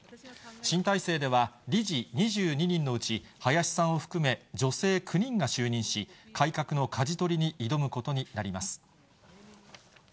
新体制では、理事２２人のうち、林さんを含め、女性９人が就任し、改革のかじ取りに挑むことになります。